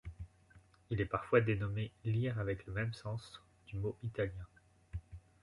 Elle est parfois dénommée lire avec le même sens, du mot italien.